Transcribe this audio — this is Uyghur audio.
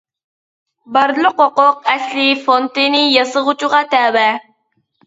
بارلىق ھوقۇق ئەسلى فونتنى ياسىغۇچىغا تەۋە.